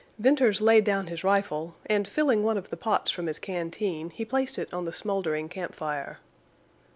Venters laid down his rifle, and, filling one of the pots from his canteen, he placed it on the smoldering campfire.